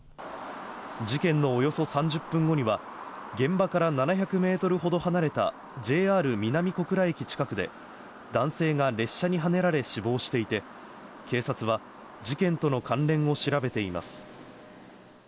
事件のおよそ３０分後には現場から７００メートルほど離れたＪＲ南小倉駅近くで、男性が列車にはねられ死亡していて、警察は事件との関連を調べています。